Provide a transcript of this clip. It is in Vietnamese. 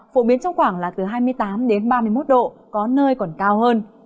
phổ biến trong khoảng là từ hai mươi tám đến ba mươi một độ có nơi còn cao hơn